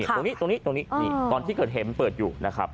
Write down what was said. ตรงนี้ตรงนี้ตรงนี้ตอนที่เกิดเห็มเปิดอยู่นะครับ